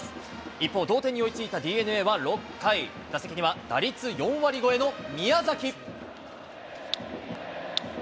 一方、同点に追いついたＤｅＮＡは６回、打席には打率４割超えの宮崎。